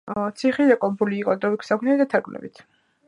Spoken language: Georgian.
ციხეში დაკავებული იყო ლიტერატურული საქმიანობით და თარგმნით.